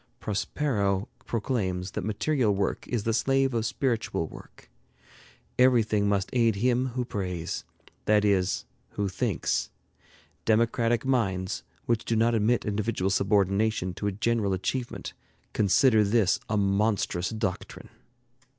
Prospero proclaims that material work is the slave of spiritual work. Everything must aid him who prays, that is, who thinks. Democratic minds, which do not admit individual subordination to a general achievement, consider this a monstrous doctrine.